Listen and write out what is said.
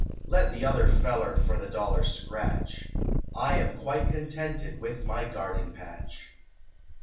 Let the other feller For the dollar scratch I am quite contented With my garden patch.